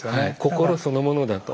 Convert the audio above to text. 心そのものだと。